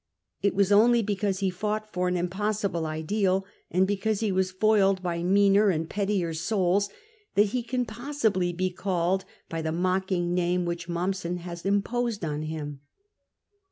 It was only because he fought for an impossible ideal, and because he was foiled by meaner and pettier souls, that he can possibly be called by the mocking name w'hich Mommsen has imposed on him.